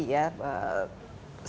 seluruh dunia itu bisa mengadaptasi